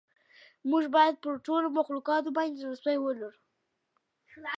موږ باید پر ټولو مخلوقاتو باندې زړه سوی ولرو.